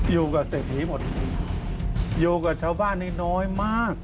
อยู่กับเศรษฐีหมดอยู่กับชาวบ้านนี้น้อยมาก